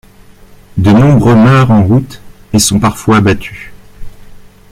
De nombreux meurent en route et sont parfois abattus.